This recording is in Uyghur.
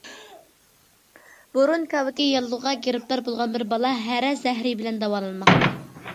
بۇرۇن كاۋىكى ياللۇغىغا گىرىپتار بولغان بىر بالا ھەرە زەھىرى بىلەن داۋالانماقتا.